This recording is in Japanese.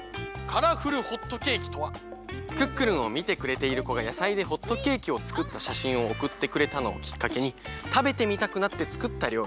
「クックルン」をみてくれているこがやさいでホットケーキをつくったしゃしんをおくってくれたのをきっかけにたべてみたくなってつくったりょうり。